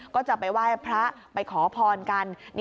ก็จะไปไหว้พระไปขอพรกัน